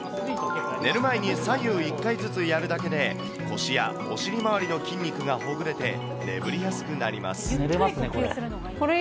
寝る前に左右１回ずつやるだけで、腰やお尻周りの筋肉がほぐれて、寝られますね、これ。